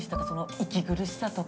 息苦しさとか。